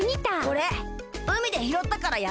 これうみでひろったからやるよ。